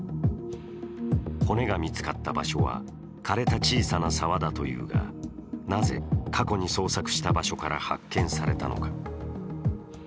骨が見つかった場所は枯れた小さな沢だというが、なぜ、過去に捜索した場所から発見されたのか。